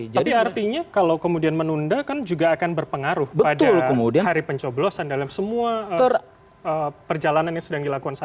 tapi artinya kalau kemudian menunda kan juga akan berpengaruh pada hari pencoblosan dalam semua perjalanan yang sedang dilakukan saat ini